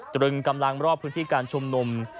ตรึงกำลังรอบพื้นที่การชุมนุม